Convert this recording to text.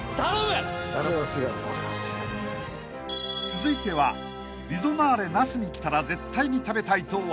［続いてはリゾナーレ那須に来たら絶対に食べたいと話題］